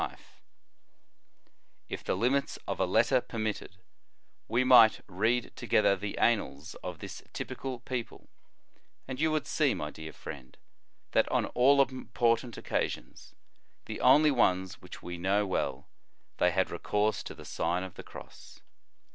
"* If the limits of a letter permitted, we might read together the annals of this typical peo ple, and you would see, my dear friend, that on all important occasions, the only ones which we know well, they had recourse to the Sign of the Cross.